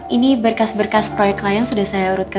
ini berkas berkas proyek klien sudah saya urutkan